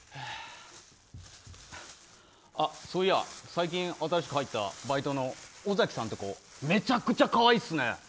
そういえば最近新しく入ったバイトの尾崎さんって子めちゃくちゃかわいいですね。